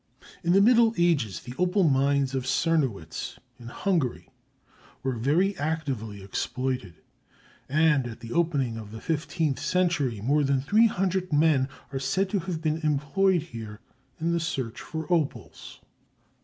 In the Middle Ages the opal mines of Cernowitz, in Hungary, were very actively exploited, and at the opening of the fifteenth century more than three hundred men are said to have been employed here in the search for opals.